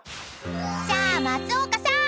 ［じゃあ松岡さーん］